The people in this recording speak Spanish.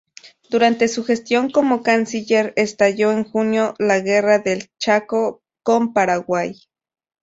Durante su gestión como canciller, estalló en junio la Guerra del Chaco con Paraguay.